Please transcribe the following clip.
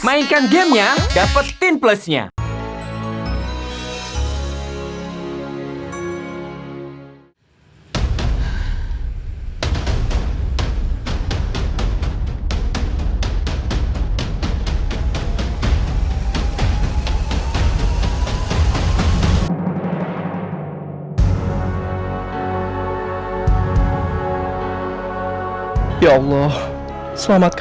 mainkan gamenya dapetin plusnya